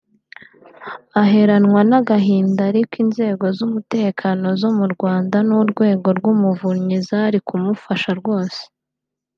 aheranwa n'agahinda ariko inzego z'umutekano zo mu Rwanda n'urwego rw'umuvunyi zari kumufasha rwose